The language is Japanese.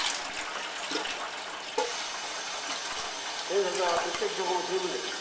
検察は物的証拠も十分です。